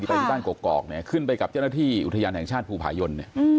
ไปที่บ้านกอกเนี่ยขึ้นไปกับเจ้าหน้าที่อุทยานแห่งชาติภูผายนเนี่ย